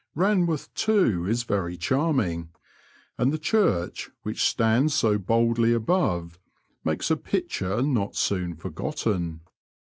Banworth, too, is yery charming, and the chmrch, which stands so boldly above, makes a picture not soon forgotten.